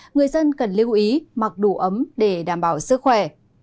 người dân cần lưu ý mặc đủ ấm để đảm bảo sức khỏe